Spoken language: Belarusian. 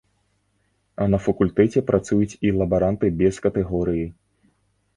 А на факультэце працуюць і лабаранты без катэгорыі.